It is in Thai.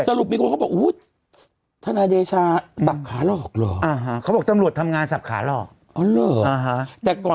สรุปมีคนเขาบอก